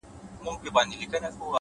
هوښیار انسان له وخت سره سیالي نه کوي؛